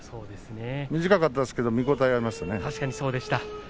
短かったですけども見応えがありました。